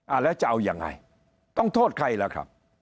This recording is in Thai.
แล้วจะเอายังไงต้องโทษใครล่ะครับ